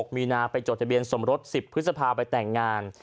มีนาไปจดทะเบียนสมรส๑๐พฤษภาไปแต่งงาน